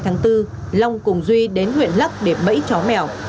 tháng bốn long cùng duy đến huyện lắc để bẫy chó mèo